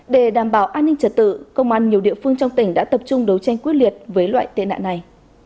để đảm bảo an ninh trật tự công an nhiều địa phương trong tỉnh đã tập trung đấu tranh quyết liệt với loại tệ nạn này